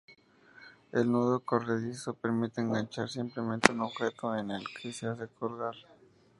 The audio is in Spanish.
El nudo corredizo permite enganchar simplemente un objeto en que lo hace colgar.